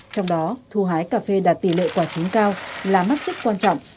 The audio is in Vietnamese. trong đó thu hái cà phê đạt tỷ lệ quả chín cao là mắt sức quan trọng